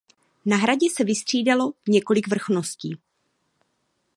Na hradě se vystřídalo několik vrchností.